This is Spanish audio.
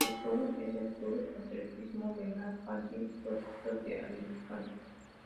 Su club es el Club Atletismo Benacantil-Puerto de Alicante.